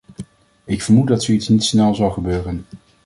Ik vermoed dat zoiets niet snel zal gebeuren.